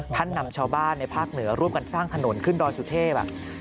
นำชาวบ้านในภาคเหนือร่วมกันสร้างถนนขึ้นดอยสุเทพ